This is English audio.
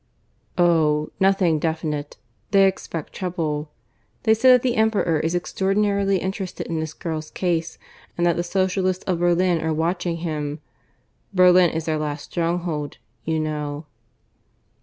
"Oh! nothing definite. They expect trouble. They say that the Emperor is extraordinarily interested in this girl's case, and that the Socialists of Berlin are watching him. Berlin is their last stronghold, you know."